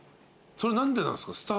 それは何でなんすか？